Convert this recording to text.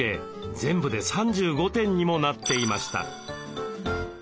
全部で３５点にもなっていました。